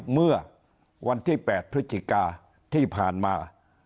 เมื่อวันที่๘พฤศจิกาที่ผ่านมา